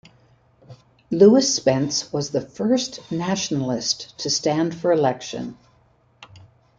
Lewis Spence was the first nationalist to stand for election.